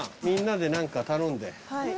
みんなで何か頼んで。